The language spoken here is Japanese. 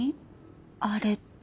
あれって？